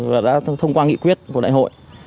và đã thông qua nghị quyết của đại hội